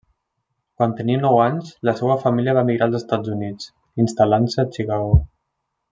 Quan tenia nou anys, la seua família va emigrar als Estats Units, instal·lant-se a Chicago.